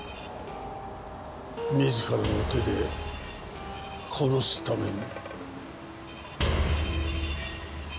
自らの手で殺すために。